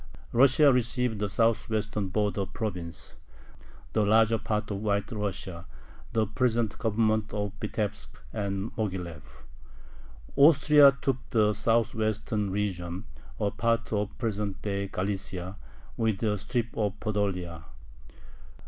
Russia received the southwestern border province: the larger part of White Russia, the present Governments of Vitebsk and Moghilev. Austria took the southwestern region: a part of present day Galicia, with a strip of Podolia.